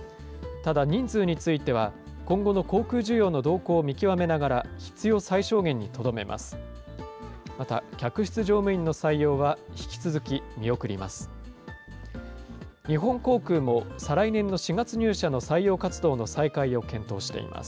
ただ、人数については、今後の航空需要の動向を見極めながら、必要最小限にとどめます。